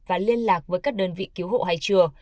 và liên lạc với các đơn vị cứu hộ hay chưa